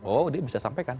oh dia bisa sampaikan